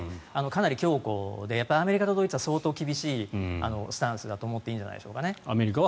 かなり強固で、アメリカとドイツは相当厳しいスタンスだと思っていいんじゃないでしょうかね。